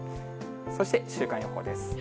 そして週間予報です。